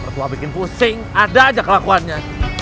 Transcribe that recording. mertua bikin pusing ada aja kelakuannya